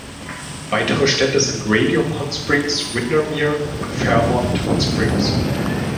Weitere Städte sind Radium Hot Springs, Windermere und Fairmont Hot Springs.